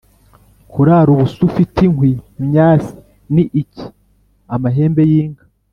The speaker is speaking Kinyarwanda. Kurara ubusa ufite inkwi (imyase) ni iki ?-Amahembe y'inka.